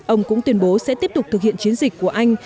ông cũng tuyên bố sẽ tiếp tục thực hiện chiến dịch của anh